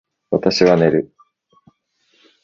私は寝る